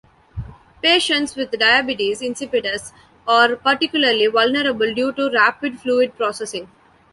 Patients with diabetes insipidus are particularly vulnerable due to rapid fluid processing.